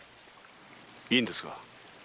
いいんですか？